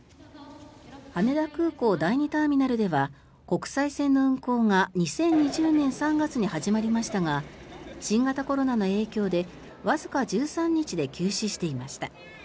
羽田空港第２ターミナルでは国際線の運航が２０２０年３月に始まりましたが新型コロナの影響でわずか１３日で休止していました。